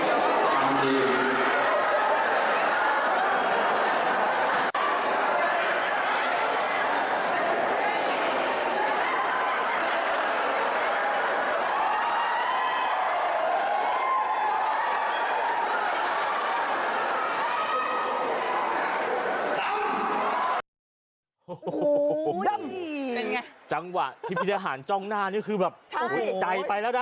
ยังไงจังวะพิทยาหารจ้องหน้านี่คือแบบถูกใจไปแล้วนะ